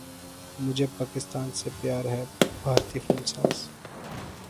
مجھے پاکستان سے پیار ہے بھارتی فلم ساز